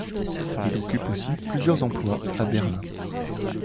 Il occupe aussi plusieurs emplois à Berlin.